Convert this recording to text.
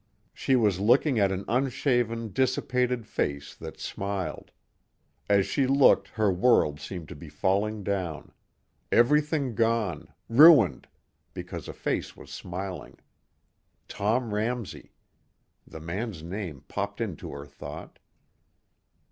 She was looking at an unshaven, dissipated face that smiled. As she looked her world seemed to be falling down. Everything gone ruined. Because a face was smiling. Tom Ramsey. The man's name popped into her thought.